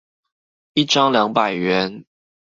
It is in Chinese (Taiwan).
一張兩百元